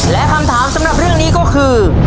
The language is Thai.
และคำถามสำหรับเรื่องนี้ก็คือ